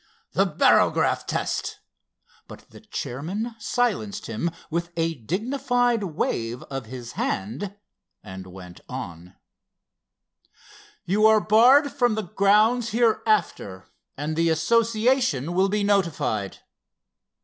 "The barograph test"—but the chairman silenced him with a dignified wave of his hand and went on: "You are barred from the grounds hereafter and the Association will be notified.